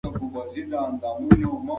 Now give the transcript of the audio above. زه نشم کولی چې د مدیر غوښتنه له پامه وغورځوم.